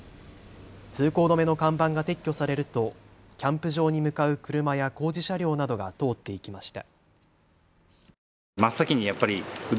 通行止めの看板が撤去されるとキャンプ場に向かう車や工事車両などが通って行きました。